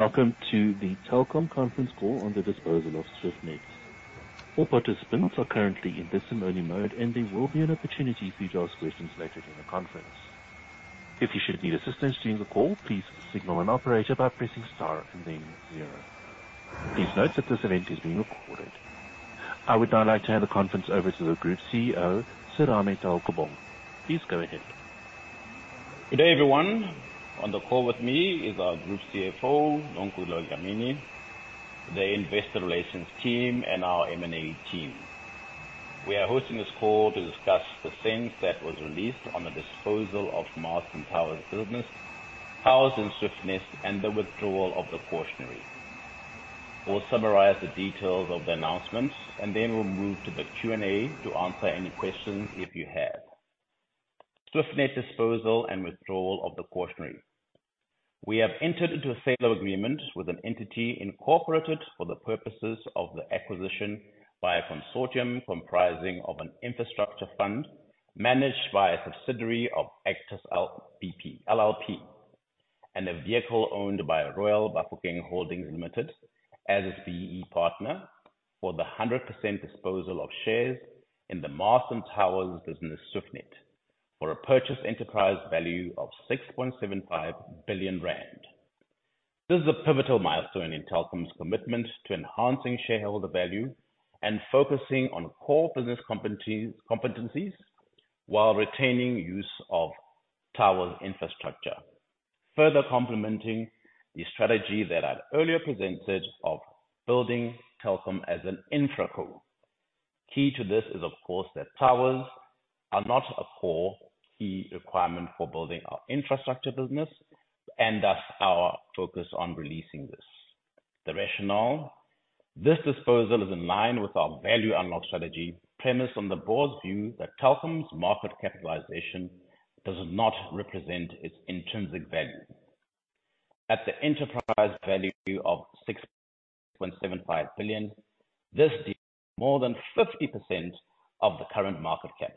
Welcome to the Telkom Conference Call on the disposal of Swiftnet. All participants are currently in listen-only mode, and there will be an opportunity for you to ask questions later during the conference. If you should need assistance during the call, please signal an operator by pressing star and then zero. Please note that this event is being recorded. I would now like to hand the conference over to the Group CEO, Serame Taukobong. Please go ahead. Good day, everyone. On the call with me is our Group CFO, Nonkululeko Dlamini, the Investor Relations team, and our M&A team. We are hosting this call to discuss the SENS that was released on the disposal of Mast and Towers business, Towers and Swiftnet, and the withdrawal of the cautionary. We'll summarize the details of the announcements, and then we'll move to the Q&A to answer any questions if you have. Swiftnet disposal and withdrawal of the cautionary. We have entered into a sale agreement with an entity incorporated for the purposes of the acquisition by a consortium comprising of an infrastructure fund managed by a subsidiary of Actis LLP and a vehicle owned by Royal Bafokeng Holdings Limited as its BEE partner for the 100% disposal of shares in the Mast and Towers business, Swiftnet, for a purchase enterprise value of 6.75 billion rand. This is a pivotal milestone in Telkom's commitment to enhancing shareholder value and focusing on core business competencies while retaining use of Tower's infrastructure, further complementing the strategy that I've earlier presented of building Telkom as an InfraCore. Key to this is, of course, that Towers are not a core key requirement for building our infrastructure business, and thus our focus on releasing this. The rationale? This disposal is in line with our value unlock strategy, premised on the board's view that Telkom's market capitalization does not represent its intrinsic value. At the enterprise value of 6.75 billion, this deals with more than 50% of the current market cap,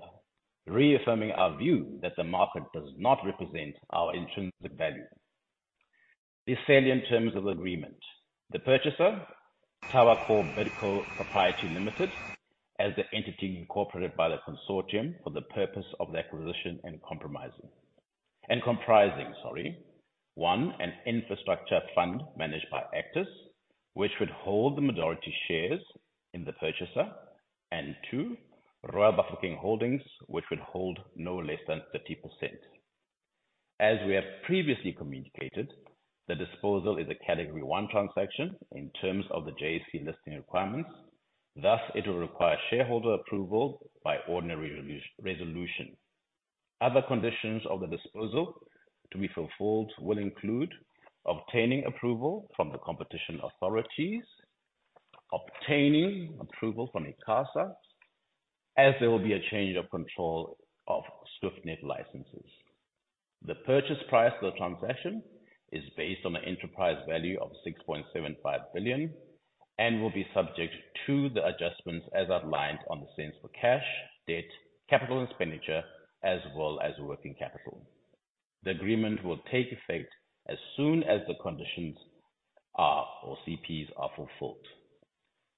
reaffirming our view that the market does not represent our intrinsic value. This sale in terms of agreement, the purchaser, TowerCo Bidco Proprietary Limited, as the entity incorporated by the consortium for the purpose of the acquisition and compromising and comprising, sorry, one, an infrastructure fund managed by Actis, which would hold the majority shares in the purchaser, and two, Royal Bafokeng Holdings, which would hold no less than 30%. As we have previously communicated, the disposal is a Category 1 Transaction in terms of the JSE Listing Requirements. Thus, it will require shareholder approval by ordinary resolution. Other conditions of the disposal to be fulfilled will include obtaining approval from the competition authorities, obtaining approval from ICASA, as there will be a change of control of Swiftnet licenses. The purchase price of the transaction is based on an enterprise value of 6.75 billion and will be subject to the adjustments as outlined on the SENS for cash, debt, capital, and expenditure, as well as working capital. The agreement will take effect as soon as the conditions or CPs are fulfilled.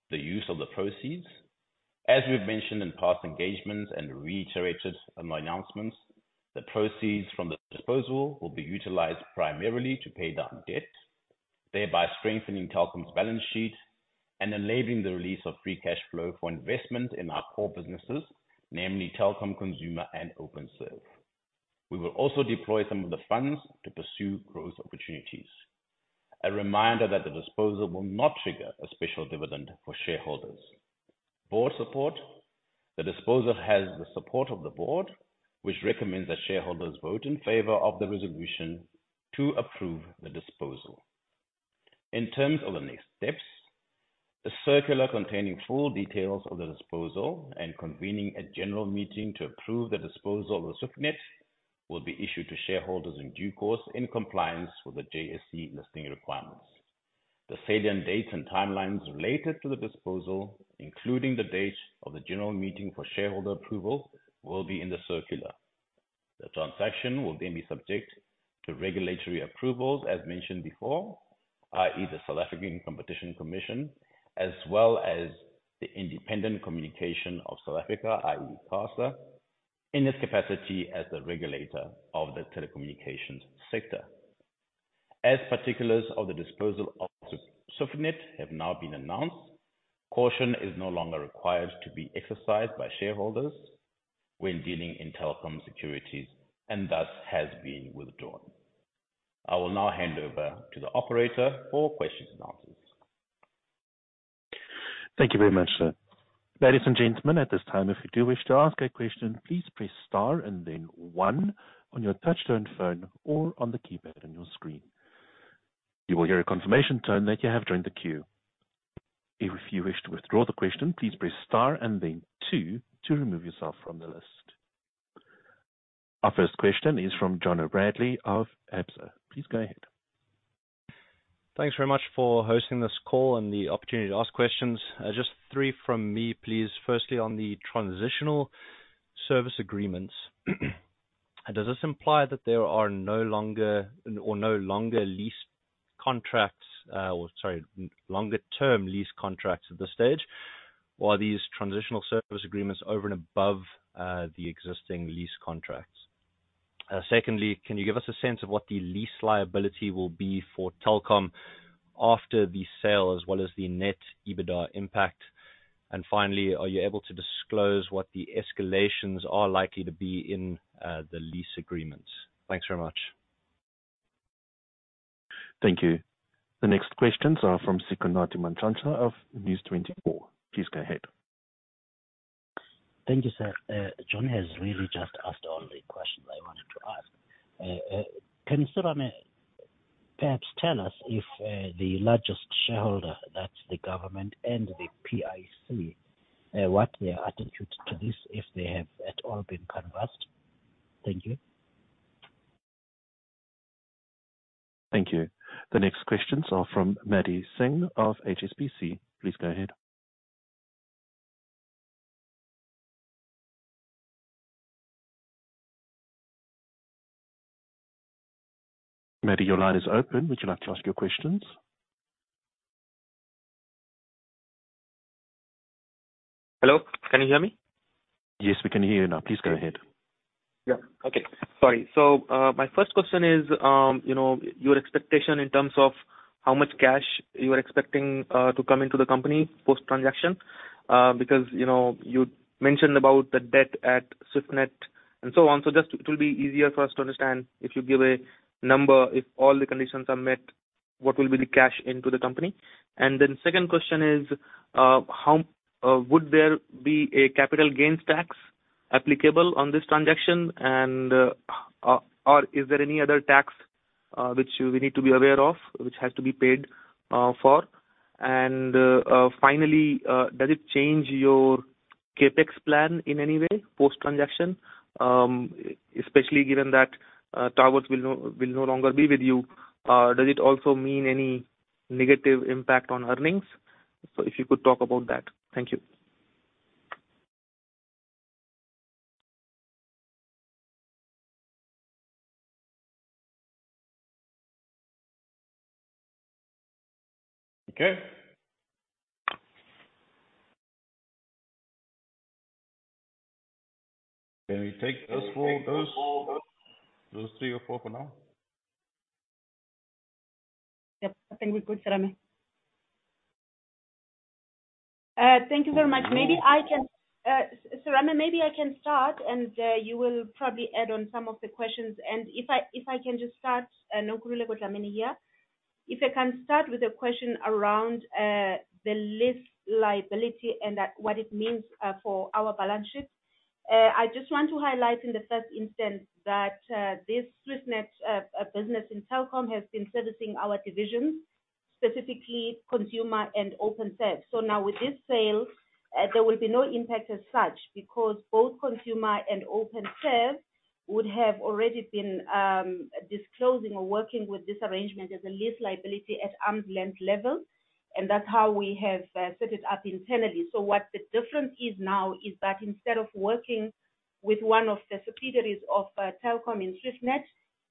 The use of the proceeds, as we've mentioned in past engagements and reiterated announcements, the proceeds from the disposal will be utilized primarily to pay down debt, thereby strengthening Telkom's balance sheet and enabling the release of free cash flow for investment in our core businesses, namely Telkom Consumer, and OpenServe. We will also deploy some of the funds to pursue growth opportunities. A reminder that the disposal will not trigger a special dividend for shareholders. Board support, the disposal has the support of the board, which recommends that shareholders vote in favor of the resolution to approve the disposal. In terms of the next steps, a circular containing full details of the disposal and convening a general meeting to approve the disposal of the Swiftnet will be issued to shareholders in due course in compliance with the JSE listing requirements. The sale and dates and timelines related to the disposal, including the date of the general meeting for shareholder approval, will be in the circular. The transaction will then be subject to regulatory approvals, as mentioned before, i.e., the South African Competition Commission, as well as the Independent Communications Authority of South Africa, i.e., ICASA, in its capacity as the regulator of the telecommunications sector. As particulars of the disposal of Swiftnet have now been announced, caution is no longer required to be exercised by shareholders when dealing in Telkom securities and thus has been withdrawn. I will now hand over to the operator for questions and answers. Thank you very much. Ladies and gentlemen, at this time, if you do wish to ask a question, please press star and then one on your touchtone phone or on the keypad on your screen. You will hear a confirmation tone that you have joined the queue. If you wish to withdraw the question, please press star and then two to remove yourself from the list. Our first question is from Jono Bradley of Absa. Please go ahead. Thanks very much for hosting this call and the opportunity to ask questions. Just three from me, please. Firstly, on the transitional service agreements, does this imply that there are no longer or no longer lease contracts or, sorry, longer-term lease contracts at this stage? Or are these transitional service agreements over and above the existing lease contracts? Secondly, can you give us a sense of what the lease liability will be for Telkom after the sale, as well as the net EBITDA impact? And finally, are you able to disclose what the escalations are likely to be in the lease agreements? Thanks very much. Thank you. The next questions are from Sikonathi Mantshantsha of News24. Please go ahead. Thank you, sir. Jon has really just asked all the questions I wanted to ask. Can Serame perhaps tell us if the largest shareholder, that's the government and the PIC, what their attitude to this, if they have at all been consulted? Thank you. Thank you. The next questions are from Mandeep Singh of HSBC. Please go ahead. Mandeep, your line is open. Would you like to ask your questions? Hello. Can you hear me? Yes, we can hear you now. Please go ahead. Yeah. Okay. Sorry. So my first question is your expectation in terms of how much cash you are expecting to come into the company post-transaction because you mentioned about the debt at Swiftnet and so on. So just it will be easier for us to understand if you give a number, if all the conditions are met, what will be the cash into the company. And then second question is, would there be a capital gains tax applicable on this transaction, or is there any other tax which we need to be aware of, which has to be paid for? And finally, does it change your CapEx plan in any way post-transaction, especially given that Towers will no longer be with you? Does it also mean any negative impact on earnings? So if you could talk about that. Thank you. Okay. Can we take those four, those three or four for now? Yep. I think we're good, Serame. Thank you very much. Maybe I can, Serame, maybe I can start, and you will probably add on some of the questions. And if I can just start, Nonkululeko Dlamini here. If I can start with a question around the lease liability and what it means for our balance sheet, I just want to highlight in the first instance that this Swiftnet business in Telkom has been servicing our divisions, specifically Consumer and OpenServe. So now with this sale, there will be no impact as such because both Consumer and OpenServe would have already been disclosing or working with this arrangement as a lease liability at arm's length level. And that's how we have set it up internally. What the difference is now is that instead of working with one of the subsidiaries of Telkom in Swiftnet,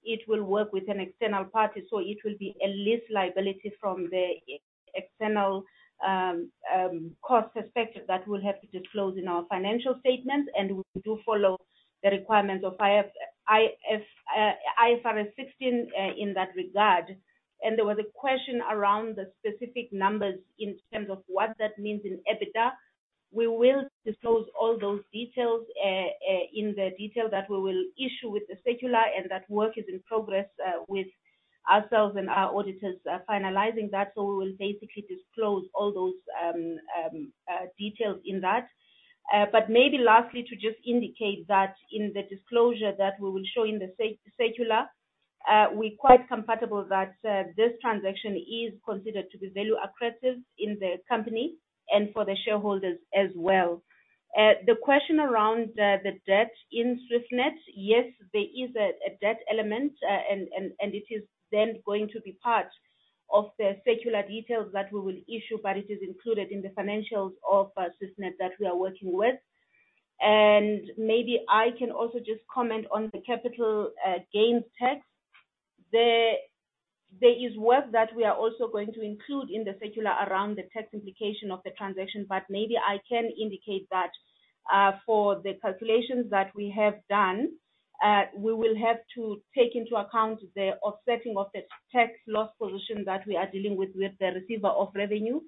it will work with an external party. So it will be a lease liability from the external cost perspective that we'll have to disclose in our financial statements. And we do follow the requirements of IFRS 16 in that regard. And there was a question around the specific numbers in terms of what that means in EBITDA. We will disclose all those details in the detail that we will issue with the circular, and that work is in progress with ourselves and our auditors finalizing that. So we will basically disclose all those details in that. But maybe lastly, to just indicate that in the disclosure that we will show in the circular, we're quite comfortable that this transaction is considered to be value-accretive in the company and for the shareholders as well. The question around the debt in Swiftnet, yes, there is a debt element, and it is then going to be part of the circular details that we will issue, but it is included in the financials of Swiftnet that we are working with. And maybe I can also just comment on the capital gains tax. There is work that we are also going to include in the circular around the tax implication of the transaction, but maybe I can indicate that for the calculations that we have done, we will have to take into account the offsetting of the tax loss position that we are dealing with with the receiver of revenue.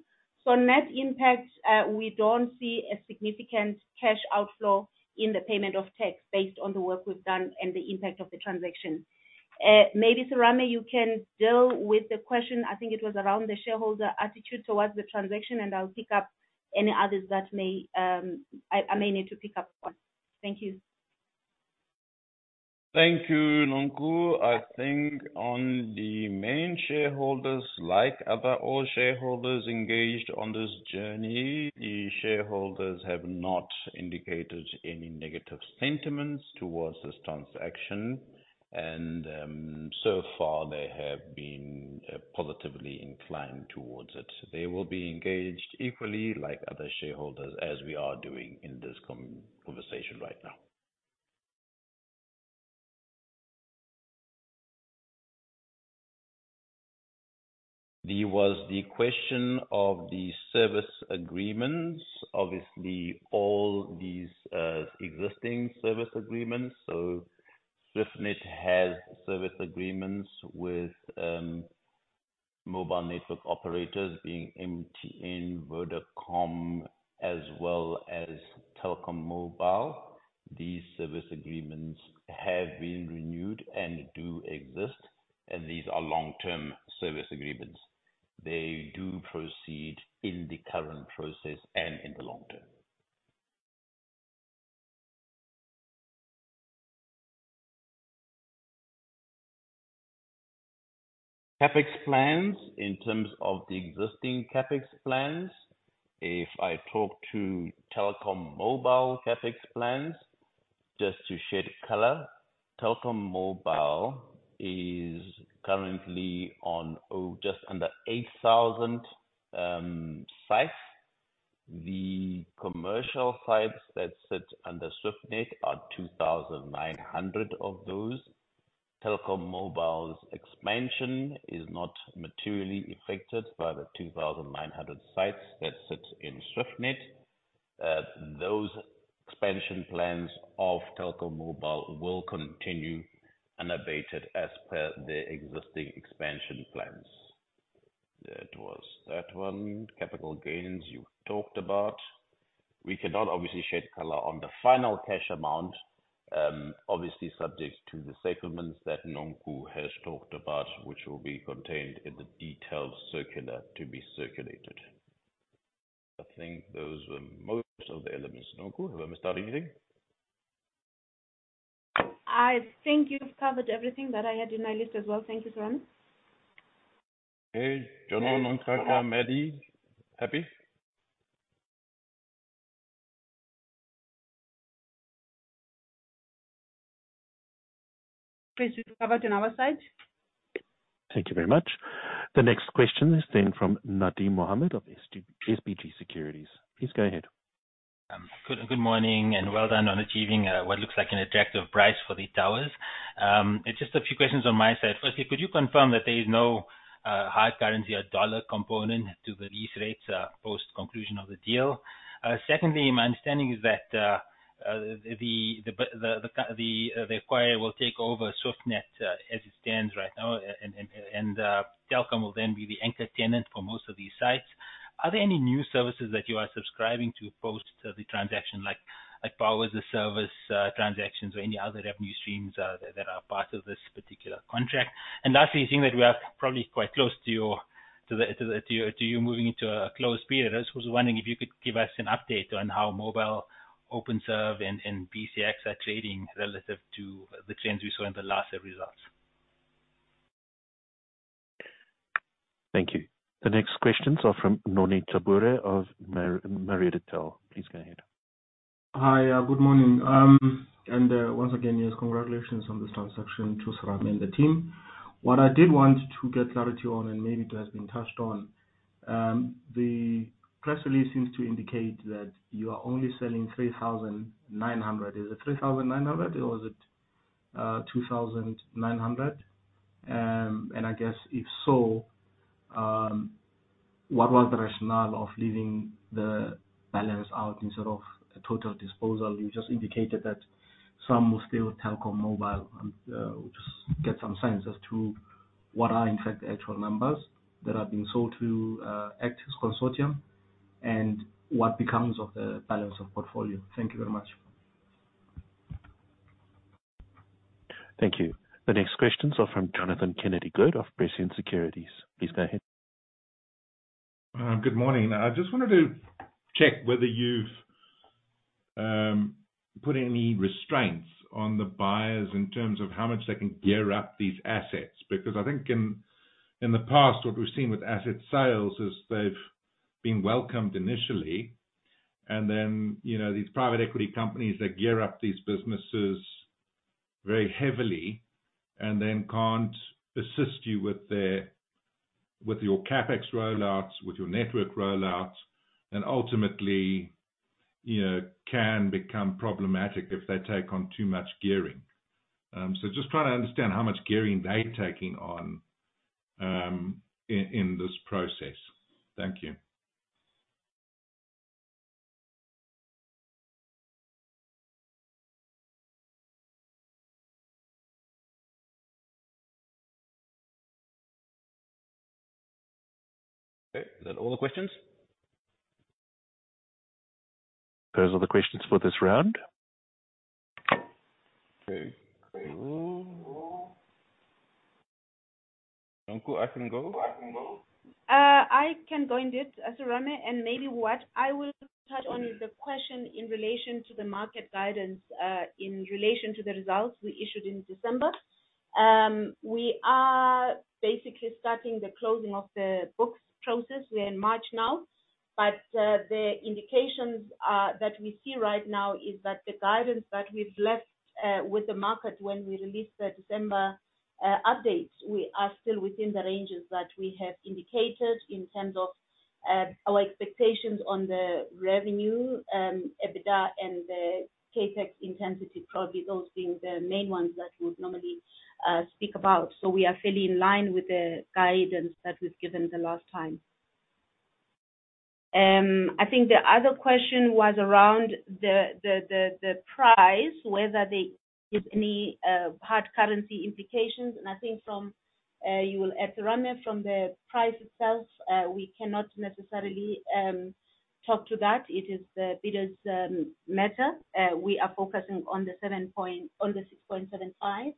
So net impact, we don't see a significant cash outflow in the payment of tax based on the work we've done and the impact of the transaction. Maybe Serame, you can deal with the question. I think it was around the shareholder attitude towards the transaction, and I'll pick up any others that I may need to pick up on. Thank you. Thank you, Nonku. I think on the main shareholders, like other all shareholders engaged on this journey, the shareholders have not indicated any negative sentiments towards this transaction. And so far, they have been positively inclined towards it. They will be engaged equally like other shareholders, as we are doing in this conversation right now. There was the question of the service agreements. Obviously, all these existing service agreements. So Swiftnet has service agreements with mobile network operators being MTN, Vodacom, as well as Telkom Mobile. These service agreements have been renewed and do exist, and these are long-term service agreements. They do proceed in the current process and in the long term. CapEx plans in terms of the existing CapEx plans. If I talk to Telkom Mobile CapEx plans, just to shed color, Telkom Mobile is currently on just under 8,000 sites. The commercial sites that sit under Swiftnet are 2,900 of those. Telkom Mobile's expansion is not materially affected by the 2,900 sites that sit in Swiftnet. Those expansion plans of Telkom Mobile will continue unabated as per the existing expansion plans. That was that one. Capital gains you've talked about. We cannot obviously shed color on the final cash amount, obviously subject to the settlements that Nonkululeko has talked about, which will be contained in the detailed circular to be circulated. I think those were most of the elements. Nonku, have I missed out anything? I think you've covered everything that I had in my list as well. Thank you, Serame. Okay. Jono, Sikonathi, Mandeep, happy? Please covered on our side. Thank you very much. The next question is then from Nadim Mohamed of SBG Securities. Please go ahead. Good morning and well done on achieving what looks like an attractive price for the towers. Just a few questions on my side. Firstly, could you confirm that there is no hard currency or dollar component to the lease rates post-conclusion of the deal? Secondly, my understanding is that the acquirer will take over Swiftnet as it stands right now, and Telkom will then be the anchor tenant for most of these sites. Are there any new services that you are subscribing to post the transaction, like Power-as-a-Service transactions or any other revenue streams that are part of this particular contract? And lastly, seeing that we are probably quite close to your moving into a closed period, I was wondering if you could give us an update on how mobile, OpenServe, and BCX are trading relative to the trends we saw in the last results. Thank you. The next questions are from Noni Tabure of. [inaudible] Please go ahead. Hi, good morning. Once again, yes, congratulations on this transaction to Serame and the team. What I did want to get clarity on, and maybe it has been touched on, the press release seems to indicate that you are only selling 3,900. Is it 3,900 or was it 2,900? And I guess if so, what was the rationale of leaving the balance out instead of a total disposal? You just indicated that some will still Telkom Mobile. Just get some sense as to what are, in fact, the actual numbers that are being sold to Actis consortium and what becomes of the balance of portfolio. Thank you very much. Thank you. The next questions are from Jonathan Kennedy-Good of Prescient Securities. Please go ahead. Good morning. I just wanted to check whether you've put any restraints on the buyers in terms of how much they can gear up these assets. Because I think in the past, what we've seen with asset sales is they've been welcomed initially, and then these private equity companies that gear up these businesses very heavily and then can't assist you with your CapEx rollouts, with your network rollouts, and ultimately can become problematic if they take on too much gearing. So just trying to understand how much gearing they're taking on in this process. Thank you. Okay. Is that all the questions? Those are the questions for this round. Okay. Nonku, I can go? I can go indeed, Serame. Maybe what I will touch on is the question in relation to the market guidance in relation to the results we issued in December. We are basically starting the closing of the books process. We're in March now. The indications that we see right now is that the guidance that we've left with the market when we released the December updates, we are still within the ranges that we have indicated in terms of our expectations on the revenue, EBITDA, and the CapEx intensity, probably those being the main ones that we would normally speak about. We are fairly in line with the guidance that we've given the last time. I think the other question was around the price, whether there is any hard currency implications. I think from you will add, Serame, from the price itself, we cannot necessarily talk to that. It is the bidder's matter. We are focusing on the 6.75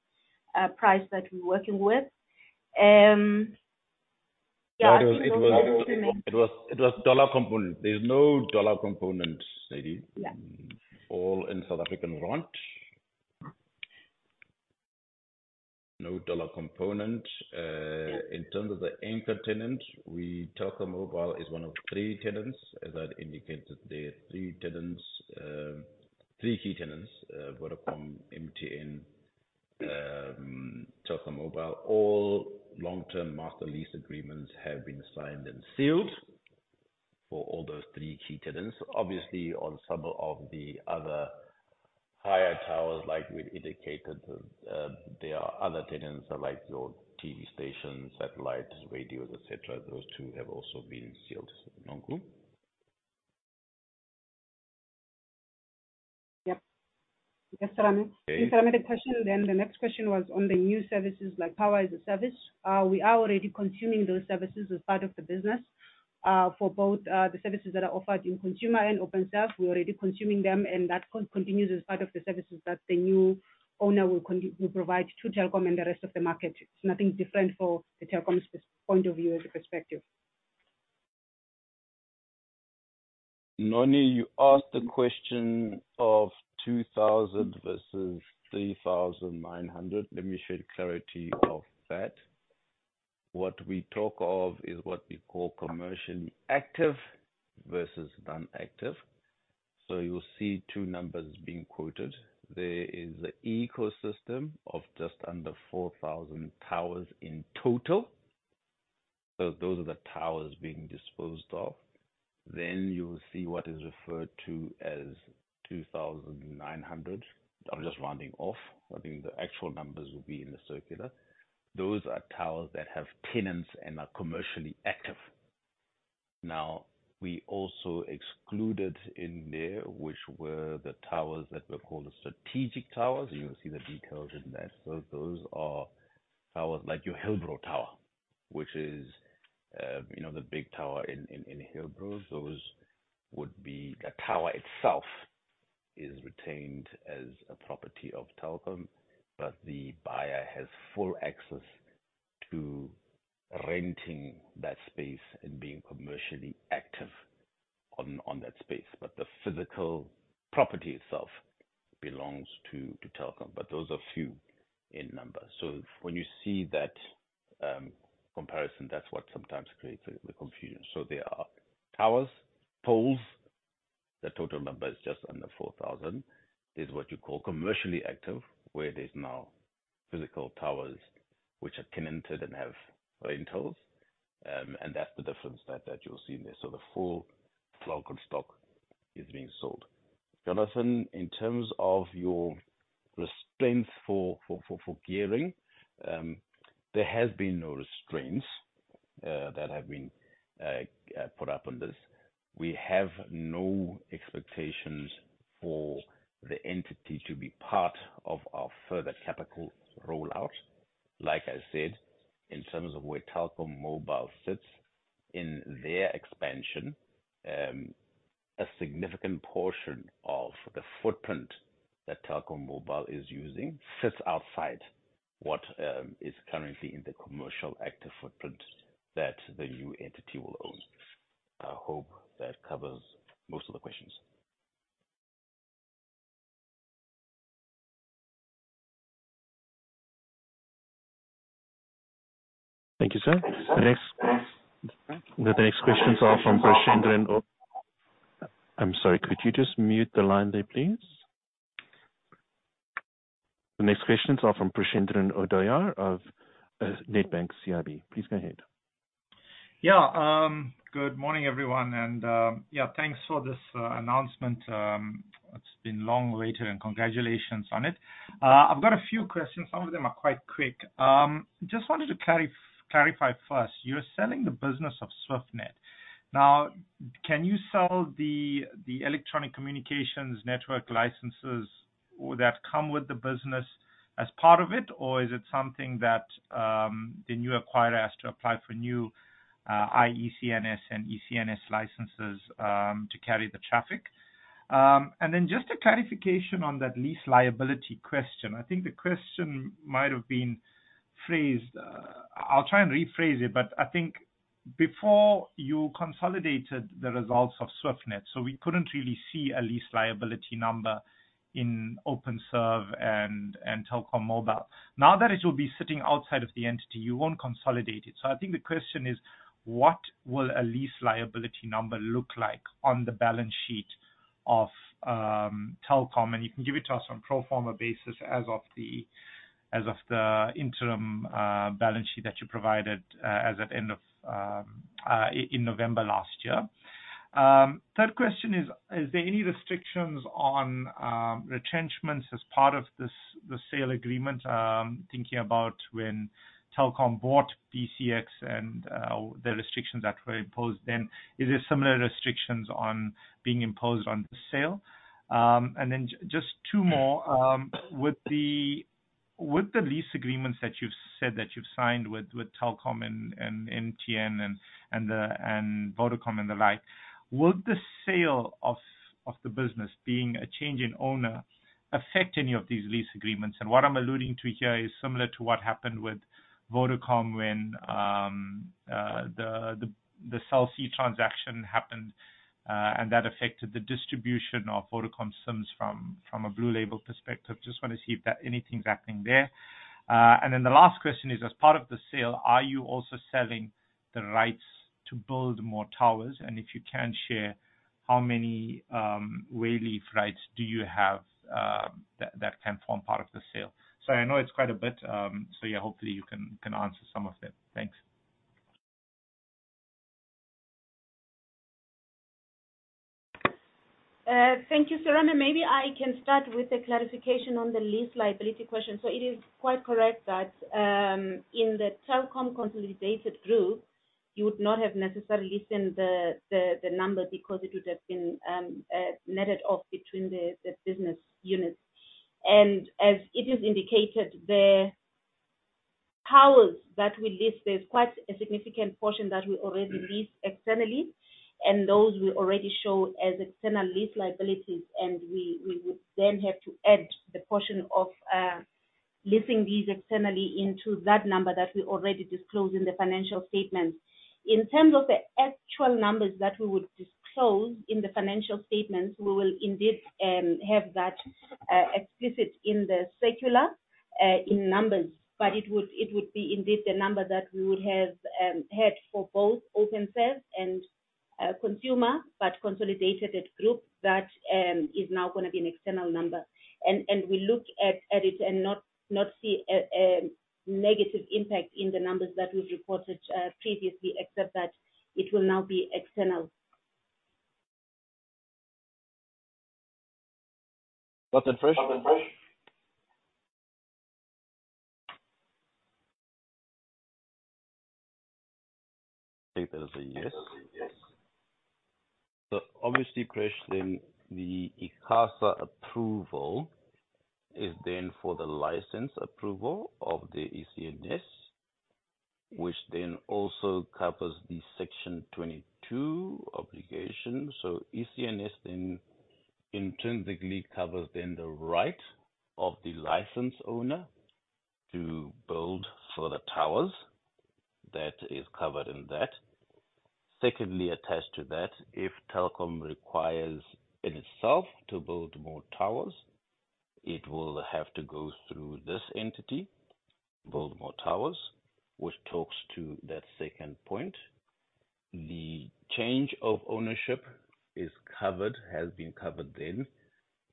price that we're working with. Yeah, I think it was. It was dollar component. There's no dollar component, lady. All in South African rand. No dollar component. In terms of the anchor tenant, we Telkom Mobile is one of three tenants, as I'd indicated, the three tenants, three key tenants, Vodacom, MTN, Telkom Mobile. All long-term master lease agreements have been signed and sealed for all those three key tenants. Obviously, on some of the other higher towers, like we indicated, there are other tenants like your TV stations, satellites, radios, etc. Those too have also been sealed. Nonkul? Yep. Yes, Serame. If I made a question, then the next question was on the new services like Power-as-a-Service. We are already consuming those services as part of the business. For both the services that are offered in Consumer and OpenServe, we're already consuming them, and that continues as part of the services that the new owner will provide to Telkom and the rest of the market. It's nothing different for the Telkom's point of view and perspective. Noni, you asked the question of 2,000 versus 3,900. Let me shed clarity of that. What we talk of is what we call commercially active versus non-active. So you'll see two numbers being quoted. There is an ecosystem of just under 4,000 towers in total. So those are the towers being disposed of. Then you'll see what is referred to as 2,900. I'm just rounding off. I think the actual numbers will be in the circular. Those are towers that have tenants and are commercially active. Now, we also excluded in there, which were the towers that were called strategic towers. You'll see the details in there. So those are towers like your Hillbrow Tower, which is the big tower in Hillbrow. Those would be the tower itself is retained as a property of Telkom, but the buyer has full access to renting that space and being commercially active on that space. But the physical property itself belongs to Telkom. But those are few in number. So when you see that comparison, that's what sometimes creates the confusion. So there are towers, poles. The total number is just under 4,000. There's what you call commercially active, where there's now physical towers which are tenanted and have rentals. And that's the difference that you'll see in there. So the full local stock is being sold. Jonathan, in terms of your restraints for gearing, there has been no restraints that have been put up on this. We have no expectations for the entity to be part of our further capital rollout. Like I said, in terms of where Telkom Mobile sits in their expansion, a significant portion of the footprint that Telkom Mobile is using sits outside what is currently in the commercial active footprint that the new entity will own. I hope that covers most of the questions. Thank you, sir. The next questions are from Preshendran. I'm sorry. Could you just mute the line there, please? The next questions are from Preshendran Odayar of Nedbank CIB. Please go ahead. Yeah. Good morning, everyone. And yeah, thanks for this announcement. It's been long awaited, and congratulations on it. I've got a few questions. Some of them are quite quick. Just wanted to clarify first, you're selling the business of Swiftnet. Now, can you sell the electronic communications network licenses that come with the business as part of it, or is it something that the new acquirer has to apply for new ECNS licenses to carry the traffic? And then just a clarification on that lease liability question. I think the question might have been phrased. I'll try and rephrase it, but I think before you consolidated the results of Swiftnet, so we couldn't really see a lease liability number in OpenServe and Telkom Mobile. Now that it will be sitting outside of the entity, you won't consolidate it. So I think the question is, what will a lease liability number look like on the balance sheet of Telkom? And you can give it to us on a pro forma basis as of the interim balance sheet that you provided in November last year. Third question is, is there any restrictions on retrenchments as part of the sale agreement? Thinking about when Telkom bought BCX and the restrictions that were imposed, then is there similar restrictions on being imposed on the sale? And then just two more. With the lease agreements that you've said that you've signed with Telkom and MTN and Vodacom and the like, will the sale of the business, being a change in owner, affect any of these lease agreements? What I'm alluding to here is similar to what happened with Vodacom when the Cell C transaction happened and that affected the distribution of Vodacom SIMs from a Blue Label perspective. Just want to see if anything's happening there. And then the last question is, as part of the sale, are you also selling the rights to build more towers? And if you can share, how many wayleave rights do you have that can form part of the sale? So I know it's quite a bit. So yeah, hopefully you can answer some of them. Thanks. Thank you. Serame, maybe I can start with a clarification on the lease liability question. It is quite correct that in the Telkom consolidated group, you would not have necessarily seen the number because it would have been netted off between the business units. As it is indicated, the towers that we lease, there's quite a significant portion that we already lease externally, and those will already show as external lease liabilities. We would then have to add the portion of leasing these externally into that number that we already disclose in the financial statements. In terms of the actual numbers that we would disclose in the financial statements, we will indeed have that explicit in the circular in numbers. But it would be indeed the number that we would have had for both OpenServe and Consumer, but consolidated at group that is now going to be an external number. We look at it and not see a negative impact in the numbers that we've reported previously, except that it will now be external. Nothing fresh? I think that is a yes. So obviously, Presh, then the ICASA approval is then for the license approval of the ECNS, which then also covers the Section 22 obligation. So ECNS then intrinsically covers then the right of the license owner to build further towers. That is covered in that. Secondly, attached to that, if Telkom requires in itself to build more towers, it will have to go through this entity, build more towers, which talks to that second point. The change of ownership is covered, has been covered then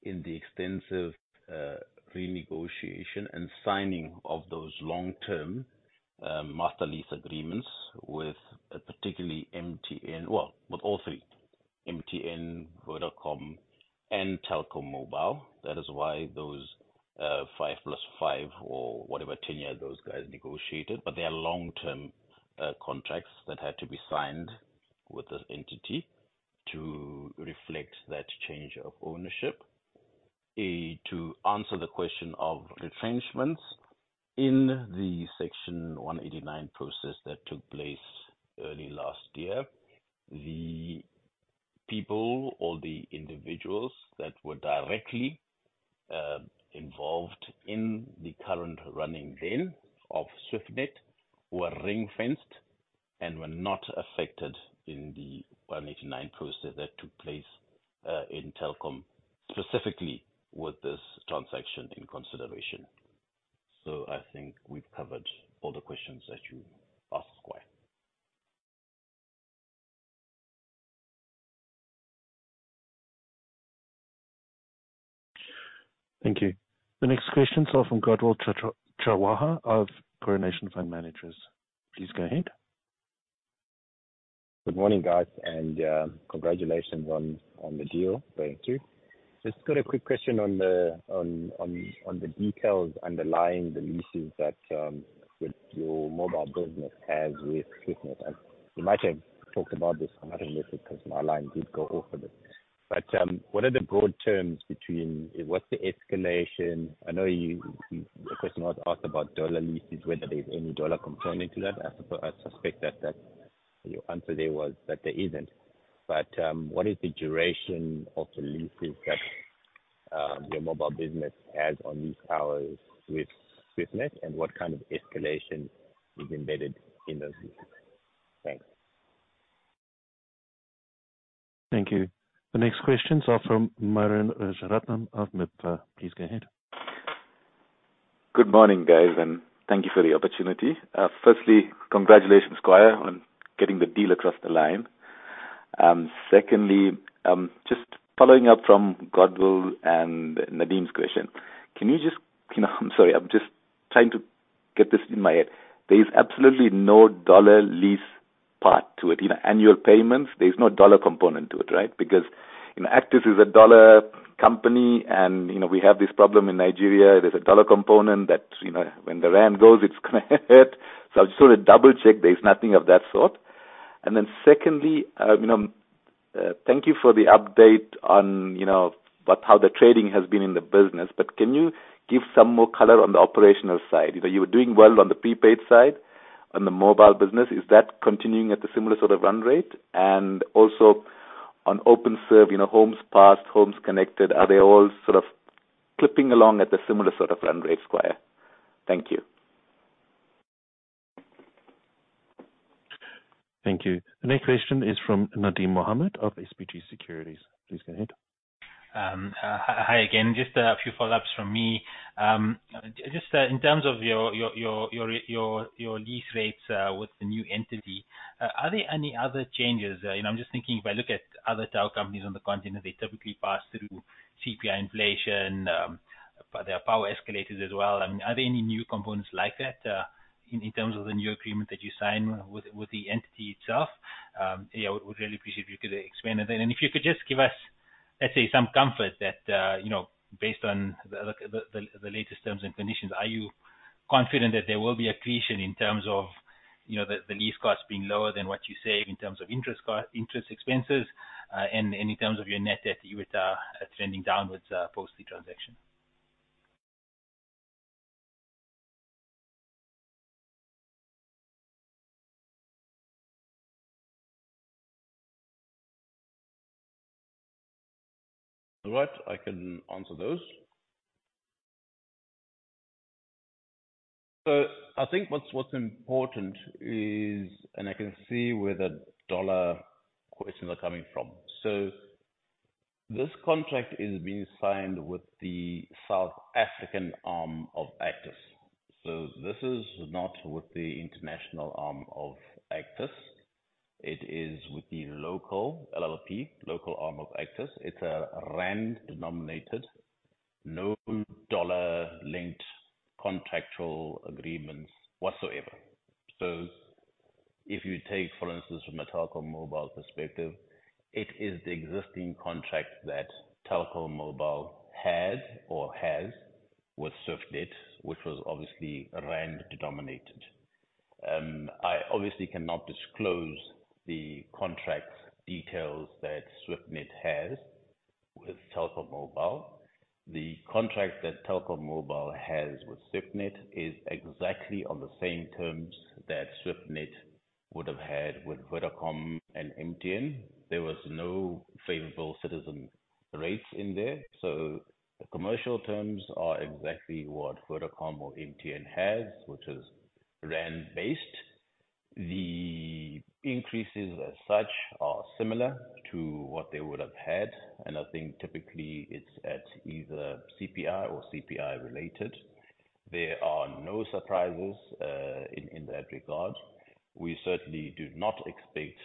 in the extensive renegotiation and signing of those long-term master lease agreements with particularly MTN, well, with all three, MTN, Vodacom, and Telkom Mobile. That is why those 5+5 or whatever tenure those guys negotiated. But they are long-term contracts that had to be signed with the entity to reflect that change of ownership. To answer the question of retrenchments in the Section 189 process that took place early last year, the people or the individuals that were directly involved in the current running then of Swiftnet were ring-fenced and were not affected in the 189 process that took place in Telkom specifically with this transaction in consideration. I think we've covered all the questions that you asked why. Thank you. The next question is from Godwill Chahwahwa of Coronation Fund Managers. Please go ahead. Good morning, guys. Congratulations on the deal going through. Just got a quick question on the details underlying the leases that your mobile business has with Swiftnet. You might have talked about this. I'm not going to make it because my line did go off a bit. But what are the broad terms between? What's the escalation? I know the question was asked about dollar leases, whether there's any dollar component to that. I suspect that your answer there was that there isn't. But what is the duration of the leases that your mobile business has on these towers with Swiftnet? And what kind of escalation is embedded in those leases? Thanks. Thank you. The next questions are from Myuran Rajaratnam of MIBFA. Please go ahead. Good morning, guys. Thank you for the opportunity. Firstly, congratulations, squire, on getting the deal across the line. Secondly, just following up from Godwill and Nadim's question, can you just, I'm sorry, I'm just trying to get this in my head. There is absolutely no dollar lease part to it. Annual payments, there's no dollar component to it, right? Because Actis is a dollar company, and we have this problem in Nigeria. There's a dollar component that when the rand goes, it's going to hurt. So I've just wanted to double-check there's nothing of that sort. And then secondly, thank you for the update on how the trading has been in the business. But can you give some more color on the operational side? You were doing well on the prepaid side. On the mobile business, is that continuing at the similar sort of run rate? Also on OpenServe, Homes Passed, Homes Connected, are they all sort of clipping along at the similar sort of run rate, squire? Thank you. Thank you. The next question is from Nadim Mohamed of SBG Securities. Please go ahead. Hi again. Just a few follow-ups from me. Just in terms of your lease rates with the new entity, are there any other changes? I'm just thinking if I look at other tower companies on the continent, they typically pass through CPI inflation, but they are power escalators as well. I mean, are there any new components like that in terms of the new agreement that you signed with the entity itself? Yeah, I would really appreciate if you could expand on that. And if you could just give us, let's say, some comfort that based on the latest terms and conditions, are you confident that there will be an accretion in terms of the lease costs being lower than what you save in terms of interest expenses and in terms of your net debt that you were trending downwards post the transaction? All right. I can answer those. So I think what's important is, and I can see where the dollar questions are coming from. So this contract is being signed with the South African arm of Actis. So this is not with the international arm of Actis. It is with the local LLP, local arm of Actis. It's a rand-denominated, no dollar-linked contractual agreements whatsoever. So if you take, for instance, from a Telkom Mobile perspective, it is the existing contract that Telkom Mobile had or has with Swiftnet, which was obviously rand-denominated. I obviously cannot disclose the contract details that Swiftnet has with Telkom Mobile. The contract that Telkom Mobile has with Swiftnet is exactly on the same terms that Swiftnet would have had with Vodacom and MTN. There were no favorable citizen rates in there. So the commercial terms are exactly what Vodacom or MTN has, which is rand-based. The increases as such are similar to what they would have had. I think typically it's at either CPI or CPI-related. There are no surprises in that regard. We certainly do not expect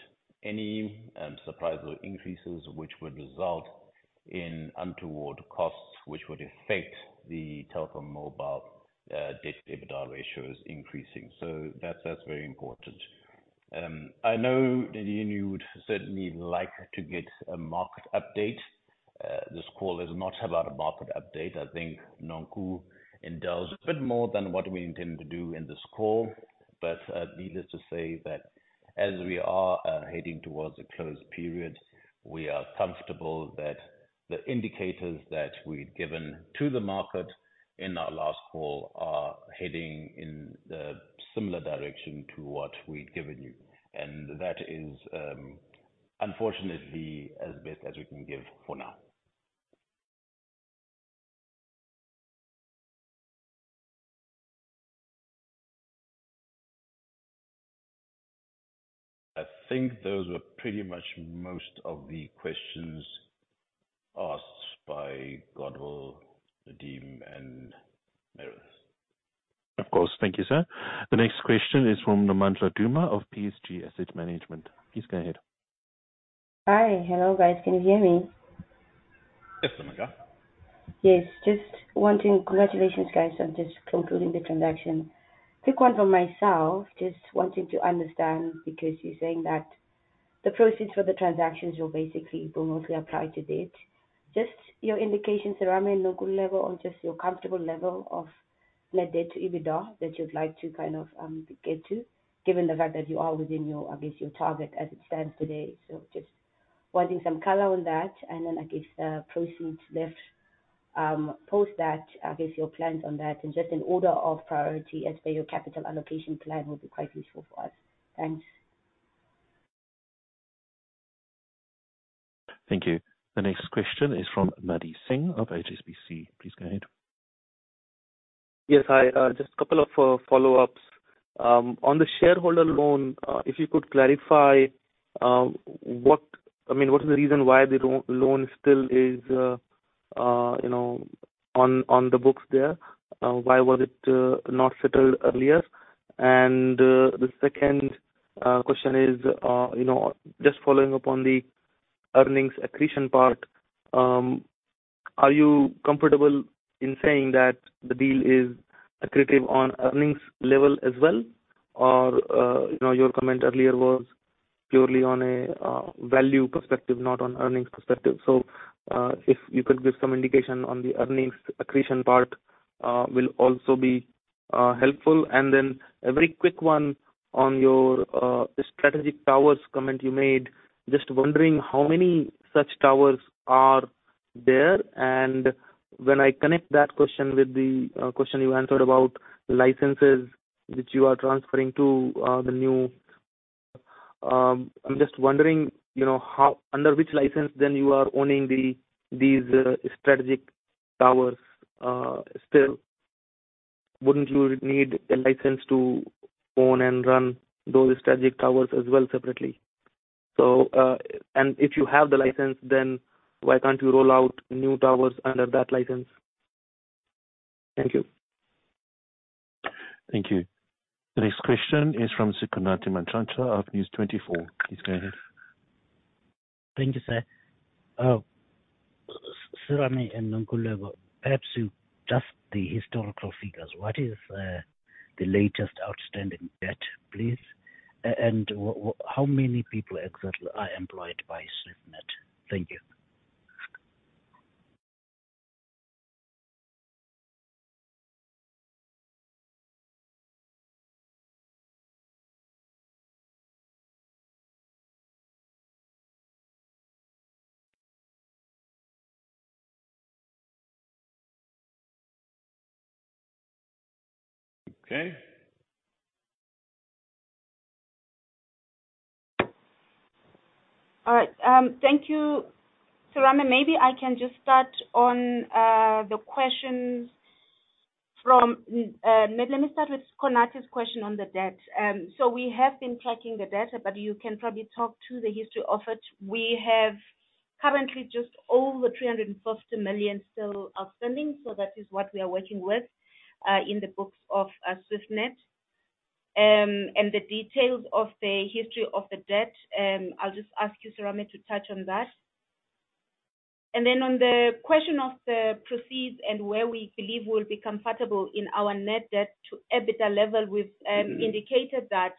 any surprise or increases which would result in untoward costs which would affect the Telkom Mobile debt-to-EBITDA ratios increasing. That's very important. I know that you would certainly like to get a market update. This call is not about a market update. I think Nonkululeko indulged a bit more than what we intend to do in this call. Needless to say that as we are heading towards a closed period, we are comfortable that the indicators that we had given to the market in our last call are heading in the similar direction to what we'd given you. That is unfortunately as best as we can give for now. I think those were pretty much most of the questions asked by Godwill, Nadim, and Myuran. Of course. Thank you, sir. The next question is from Nomandla Duma of PSG Asset Management. Please go ahead. Hi. Hello guys. Can you hear me? Yes, Nomandla. Yes. Just wanting congratulations, guys, on just concluding the transaction. Quick one for myself. Just wanting to understand because you're saying that the proceeds for the transactions will basically mostly apply to debt. Just your indications, Serame, Nonkululeko, on just your comfortable level of net debt to EBITDA that you'd like to kind of get to, given the fact that you are within, I guess, your target as it stands today. So just wanting some color on that. And then I guess the proceeds left post that, I guess your plans on that. And just in order of priority as per your capital allocation plan would be quite useful for us. Thanks. Thank you. The next question is from Mandeep Singh of HSBC. Please go ahead. Yes, hi. Just a couple of follow-ups. On the shareholder loan, if you could clarify what I mean, what is the reason why the loan still is on the books there? Why was it not settled earlier? And the second question is just following up on the earnings accretion part. Are you comfortable in saying that the deal is accretive on earnings level as well? Or your comment earlier was purely on a value perspective, not on earnings perspective. So if you could give some indication on the earnings accretion part will also be helpful. And then a very quick one on your strategic towers comment you made. Just wondering how many such towers are there? And when I connect that question with the question you answered about licenses which you are transferring to the new, I'm just wondering under which license then you are owning these strategic towers still? Wouldn't you need a license to own and run those strategic towers as well separately? And if you have the license, then why can't you roll out new towers under that license? Thank you. Thank you. The next question is from Sikonathi Mantshantsha of News24. Please go ahead. Thank you, sir. Serame and Nonkululeko, perhaps just the historical figures. What is the latest outstanding debt, please? And how many people exactly are employed by Swiftnet? Thank you. Okay. All right. Thank you. Serame, maybe I can just start on the questions from let me start with Sikonathi's question on the debt. So we have been tracking the data, but you can probably talk to the history of it. We have currently just over 350 million still outstanding. So that is what we are working with in the books of Swiftnet. And the details of the history of the debt, I'll just ask you, Serame, to touch on that. And then on the question of the proceeds and where we believe we will be comfortable in our net debt to EBITDA level, we've indicated that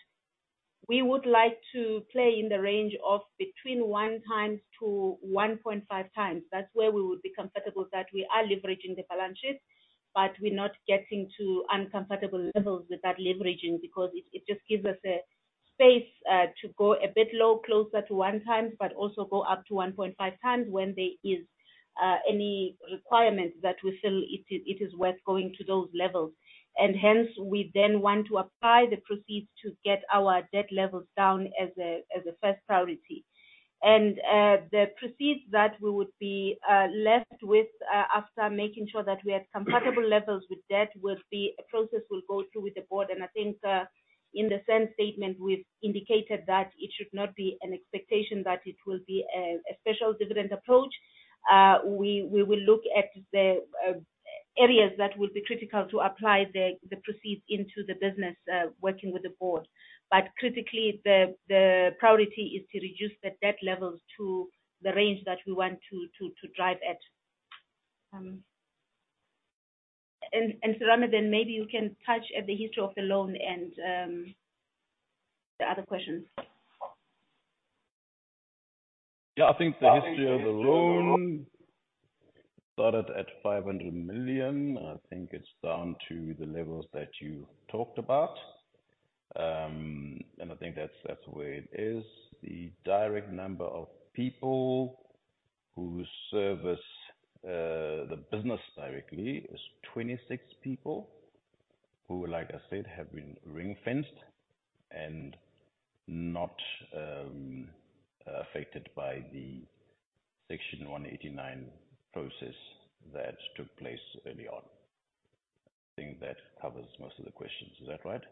we would like to play in the range of between 1x to 1.5x. That's where we would be comfortable that we are leveraging the balances, but we're not getting to uncomfortable levels with that leveraging because it just gives us a space to go a bit low closer to 1x, but also go up to 1.5x when there is any requirement that we feel it is worth going to those levels. And hence, we then want to apply the proceeds to get our debt levels down as a first priority. And the proceeds that we would be left with after making sure that we had comfortable levels with debt would be a process we'll go through with the board. And I think in the same statement, we've indicated that it should not be an expectation that it will be a special dividend approach. We will look at the areas that will be critical to apply the proceeds into the business working with the board. But critically, the priority is to reduce the debt levels to the range that we want to drive at. Serame, then maybe you can touch at the history of the loan and the other questions. Yeah, I think the history of the loan started at 500 million. I think it's down to the levels that you talked about. And I think that's the way it is. The direct number of people who serve the business directly is 26 people who, like I said, have been ring-fenced and not affected by the Section 189 process that took place early on. I think that covers most of the questions. Is that right?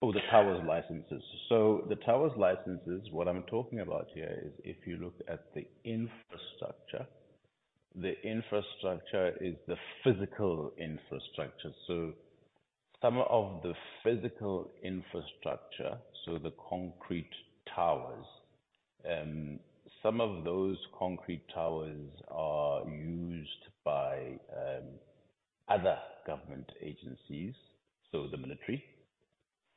Oh, the towers licenses. So the towers licenses, what I'm talking about here is if you look at the infrastructure, the infrastructure is the physical infrastructure. So some of the physical infrastructure, so the concrete towers, some of those concrete towers are used by other government agencies, so the military,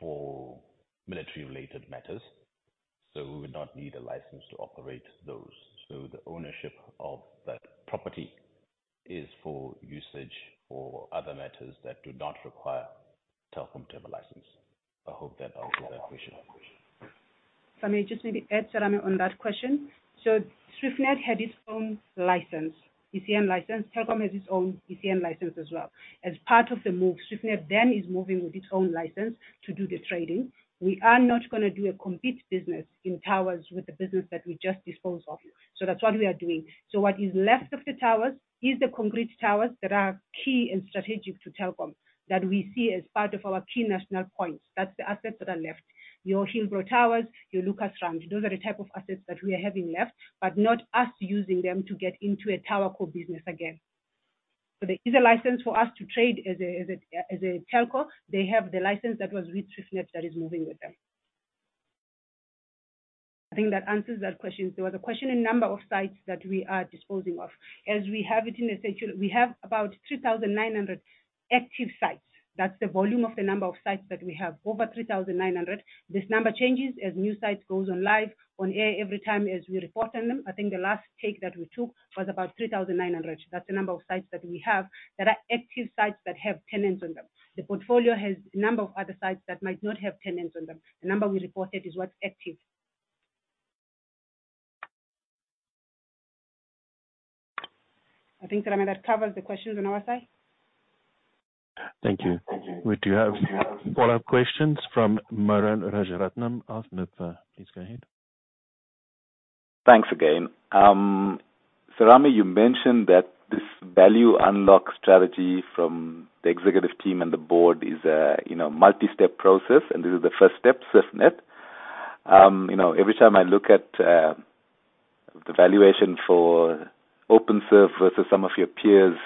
for military-related matters. So we would not need a license to operate those. So the ownership of that property is for usage for other matters that do not require Telkom to have a license. I hope that answers that question. Sorry, just maybe add, Serame, on that question. So Swiftnet had its own license, ECN license. Telkom has its own ECN license as well. As part of the move, Swiftnet then is moving with its own license to do the trading. We are not going to do a compete business in towers with the business that we just disposed of. So that's what we are doing. So what is left of the towers is the concrete towers that are key and strategic to Telkom that we see as part of our key national points. That's the assets that are left. Your Hillbrow towers, your Lukasrand, those are the type of assets that we are having left, but not us using them to get into a TowerCo business again. So there is a license for us to trade as a telco. They have the license that was with Swiftnet that is moving with them. I think that answers that question. There was a question in number of sites that we are disposing of. As we have it in the section, we have about 3,900 active sites. That's the volume of the number of sites that we have. Over 3,900. This number changes as new sites goes on live on air every time as we report on them. I think the last take that we took was about 3,900. That's the number of sites that we have that are active sites that have tenants on them. The portfolio has a number of other sites that might not have tenants on them. The number we reported is what's active. I think, Serame, that covers the questions on our side. Thank you. We do have follow-up questions from Myuran Rajaratnam of MIBFA. Please go ahead. Thanks again. Serame, you mentioned that this value unlock strategy from the executive team and the board is a multi-step process. And this is the first step, Swiftnet. Every time I look at the valuation for OpenServe versus some of your peers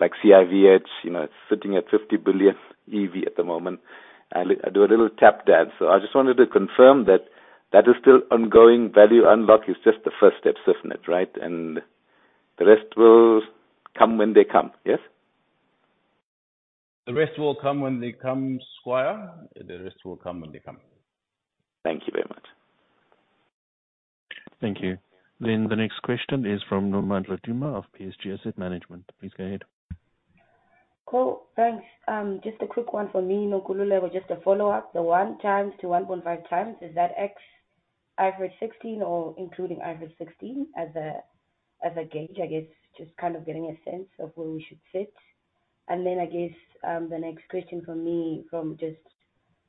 like CIVH, it's sitting at 50 billion EV at the moment. I do a little tap dance. So I just wanted to confirm that that is still ongoing. Value unlock is just the first step, Swiftnet, right? And the rest will come when they come. Yes? The rest will come when they come. Thank you very much. Thank you. Then the next question is from Nomandla Duma of PSG Asset Management. Please go ahead. Cool. Thanks. Just a quick one for me. Nonkululeko, just a follow-up. The 1x to 1.5x, is that IFRS 16 or including IFRS 16 as a gauge, I guess, just kind of getting a sense of where we should sit? And then I guess the next question for me from just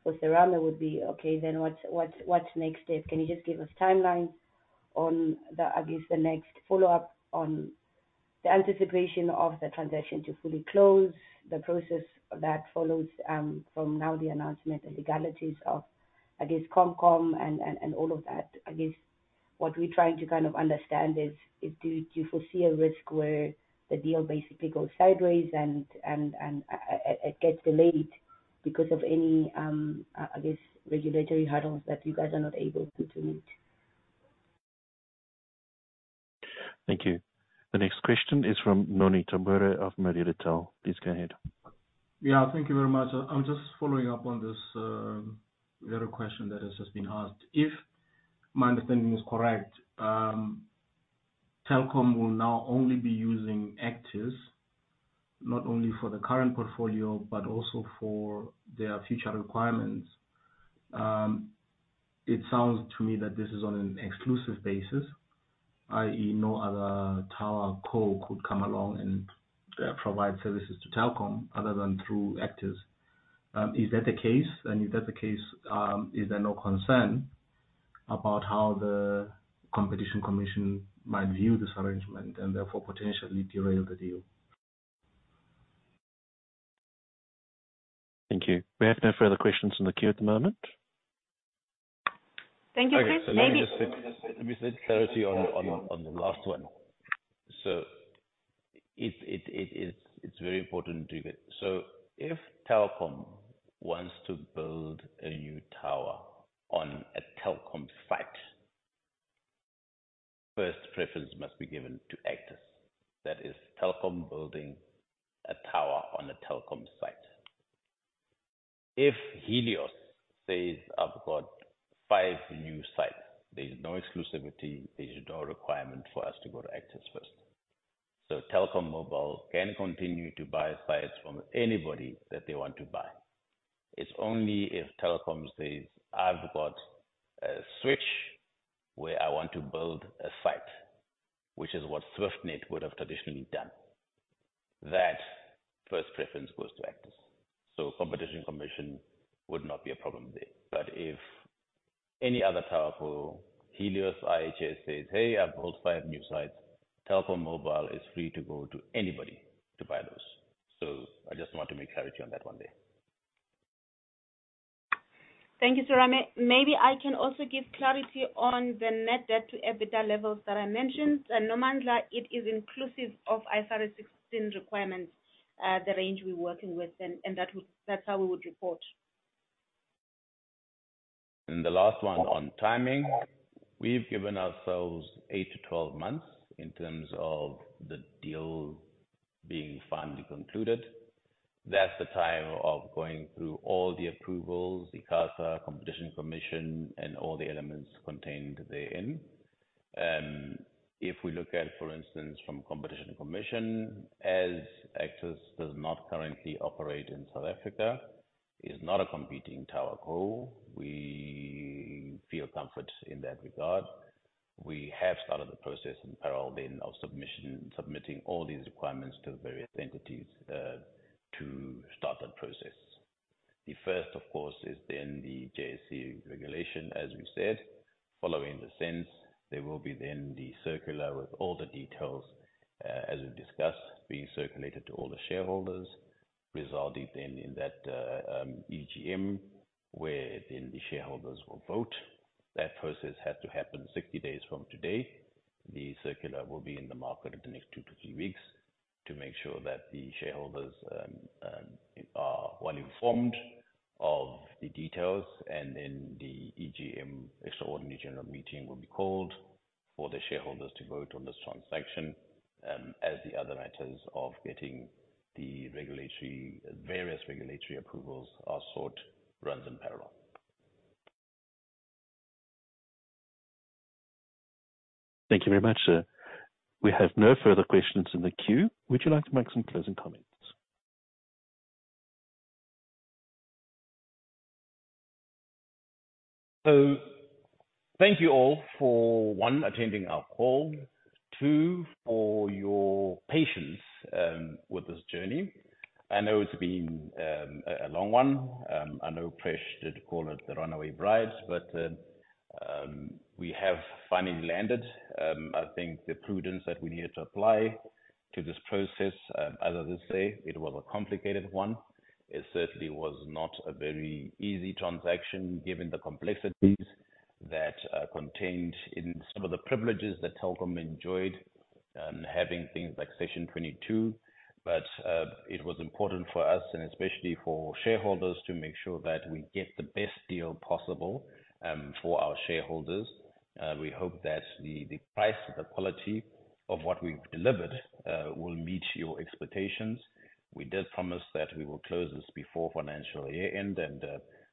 for Serame would be, okay, then what's next step? Can you just give us timelines on, I guess, the next follow-up on the anticipation of the transaction to fully close? The process that follows from now, the announcement, the legalities of, I guess, CompCom and all of that. I guess what we're trying to kind of understand is, do you foresee a risk where the deal basically goes sideways and it gets delayed because of any, I guess, regulatory hurdles that you guys are not able to meet? Thank you. The next question is from Noni Tabure of. [inaudible] Please go ahead. Yeah, thank you very much. I'm just following up on this later question that has just been asked. If my understanding is correct, Telkom will now only be using Actis, not only for the current portfolio, but also for their future requirements. It sounds to me that this is on an exclusive basis, i.e., no other TowerCo could come along and provide services to Telkom other than through Actis. Is that the case? And if that's the case, is there no concern about how the Competition Commission might view this arrangement and therefore potentially derail the deal? Thank you. We have no further questions on the queue at the moment. Thank you. Maybe. Let me say clarity on the last one. So it's very important to get. So if Telkom wants to build a new tower on a Telkom site, first preference must be given to Actis. That is, Telkom building a tower on a Telkom site. If Helios says, "I've got five new sites," there is no exclusivity. There is no requirement for us to go to Actis first. So Telkom Mobile can continue to buy sites from anybody that they want to buy. It's only if Telkom says, "I've got a switch where I want to build a site," which is what Swiftnet would have traditionally done, that first preference goes to Actis. So Competition Commission would not be a problem there. But if any other TowerCo, Helios, IHS says, "Hey, I've got five new sites," Telkom Mobile is free to go to anybody to buy those. I just want to make clarity on that one there. Thank you, Serame. Maybe I can also give clarity on the net debt to EBITDA levels that I mentioned. Nomandla, it is inclusive of IFRS 16 requirements, the range we're working with. And that's how we would report. And the last one on timing. We've given ourselves 8-12 months in terms of the deal being finally concluded. That's the time of going through all the approvals, ICASA, Competition Commission, and all the elements contained therein. If we look at, for instance, from Competition Commission, as Actis does not currently operate in South Africa, is not a competing TowerCo, we feel comfort in that regard. We have started the process in parallel then of submitting all these requirements to the various entities to start that process. The first, of course, is then the JSE regulation, as we said, following the SENS. There will be then the circular with all the details, as we've discussed, being circulated to all the shareholders, resulting then in that EGM where then the shareholders will vote. That process has to happen 60 days from today. The circular will be in the market in the next 2-3 weeks to make sure that the shareholders are well informed of the details. Then the EGM, extraordinary general meeting, will be called for the shareholders to vote on this transaction, as the other matters of getting the various regulatory approvals are sought, runs in parallel. Thank you very much. We have no further questions in the queue. Would you like to make some closing comments? So thank you all for, one, attending our call, two, for your patience with this journey. I know it's been a long one. I know press did call it the runaway brides, but we have finally landed. I think the prudence that we needed to apply to this process, as I did say, it was a complicated one. It certainly was not a very easy transaction given the complexities that contained in some of the privileges that Telkom enjoyed having things like Section 22. But it was important for us, and especially for shareholders, to make sure that we get the best deal possible for our shareholders. We hope that the price and the quality of what we've delivered will meet your expectations. We did promise that we will close this before financial year-end, and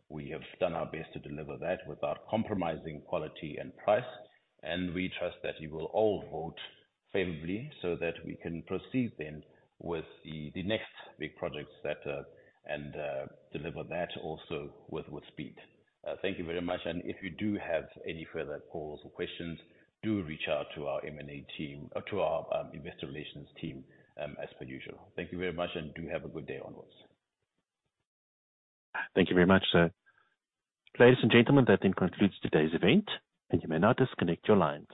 we have done our best to deliver that without compromising quality and price. We trust that you will all vote favourably so that we can proceed then with the next big projects and deliver that also with speed. Thank you very much. If you do have any further calls or questions, do reach out to our M&A team or to our investor relations team as per usual. Thank you very much, and do have a good day onwards. Thank you very much. Ladies and gentlemen, that then concludes today's event, and you may now disconnect your lines.